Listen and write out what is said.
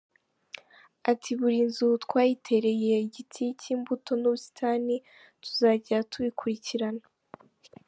Ati ”Buri nzu twayitereye igiti cy’imbuto n’ubusitani, tuzajya tubikurikirana.